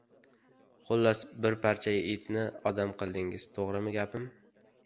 Xullas, bir parcha etni odam qildingiz. To‘g‘rimi gapim?